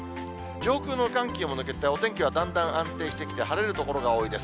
上空の寒気も抜けてお天気はだんだん安定してきて、晴れる所が多いです。